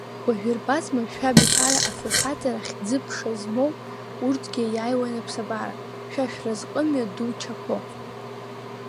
Уажә ирбазма шәабиԥара, Афырхаҵара хьӡы-ԥша змоу, урҭгьы аиааиуан аԥсабара, шәа шәразҟымҩа ду чаԥо!